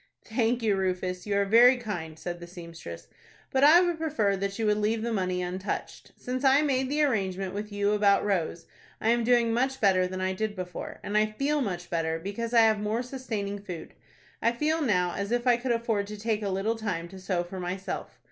"Thank you, Rufus; you are very kind," said the seamstress; "but I would prefer that you would leave the money untouched. Since I made the arrangement with you about Rose, I am doing much better than I did before, and I feel much better, because I have more sustaining food. I feel now as if I could afford to take a little time to sew for myself.